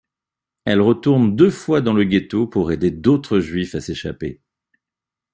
Elle retourne deux fois dans le ghetto pour aider d'autres juifs à s'échapper.